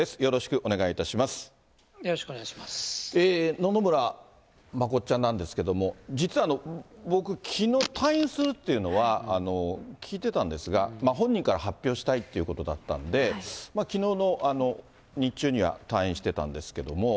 野々村まこっちゃんなんですけども、実は僕、きのう、退院するっていうのは聞いてたんですが、本人から発表したいっていうことだったんで、きのうの日中には退院してたんですけども。